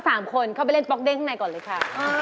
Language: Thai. สามคนเข้าไปเล่นป๊อกเด้งข้างในก่อนเลยค่ะ